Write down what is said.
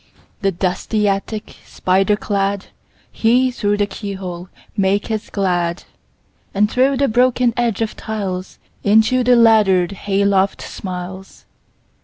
The dusty attic spider cladHe, through the keyhole, maketh glad; And through the broken edge of tiles, Into the laddered hay loft smiles.